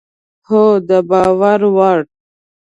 هو، د باور وړ